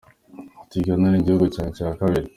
Ati “Uganda ni igihugu cyanjye cya kabiri.